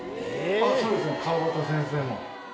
そうですよ川端先生も。